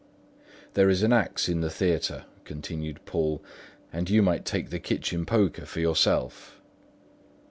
"There is an axe in the theatre," continued Poole; "and you might take the kitchen poker for yourself."